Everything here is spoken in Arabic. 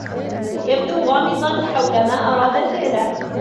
يبدو غامضا حول ما أراد فعله.